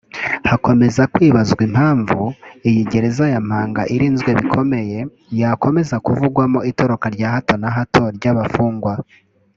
Hakomeza kwibazwa impamvu iyi gereza ya Mpanga irinzwe bikomeye yakomeza kuvugwamo itoroka rya hato na hato ry’abafungwa